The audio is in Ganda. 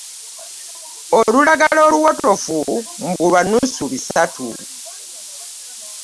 Olulagala oluwotofu mbu lwa nnusu bisatu